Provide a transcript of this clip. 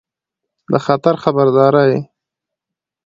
د خطر خبرداری